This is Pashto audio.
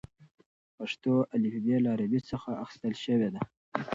پښتو الفبې له عربي څخه اخیستل شوې ده.